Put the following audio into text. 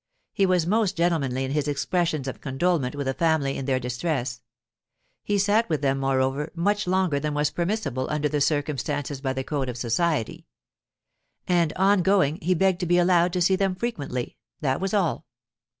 He was most gentlemanly in his expressions of condolement with the family in their distress; he sat with them, moreover, much longer than was permissible under the circumstances by the code of society. And on going, he begged to be allowed to see them frequently that was all.